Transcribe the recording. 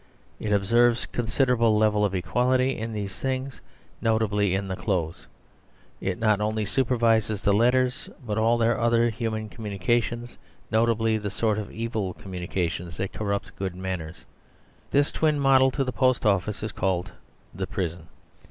It observes considerable level of equality in these things; notably in the clothes. It not only supervises the letters but all the other human communications; notably the sort of evil communications that corrupt good manners. This twin model to the Post Office is called the Prison.